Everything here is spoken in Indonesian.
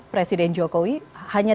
presiden jokowi hanya